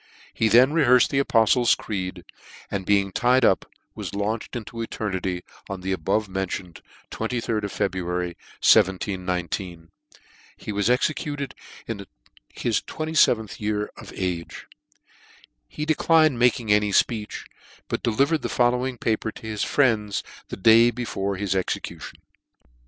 He then rehearfed the apoftle's creed, and being tied up, was launched into eter* nity, on the above mentioned ajd of February, 1719. He was executed in the 27 th year of his age. He declined making any fpeech, but delivered the following paper to his friends the day before his execution.